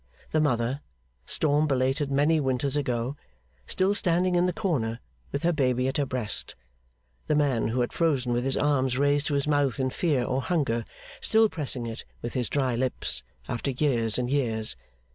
The mother, storm belated many winters ago, still standing in the corner with her baby at her breast; the man who had frozen with his arm raised to his mouth in fear or hunger, still pressing it with his dry lips after years and years.